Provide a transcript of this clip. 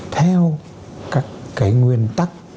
theo các cái nguyên tắc